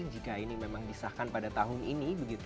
jika ini memang disahkan pada tahun ini